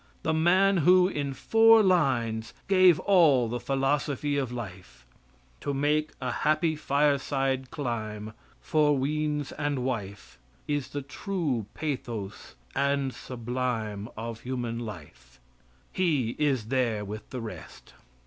That man who, in four lines, gave all the philosophy of life To make a happy fireside clime For weans and wife Is the true pathos and Sublime Of human life he is there with the rest.